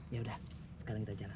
ya udah sekarang kita jalan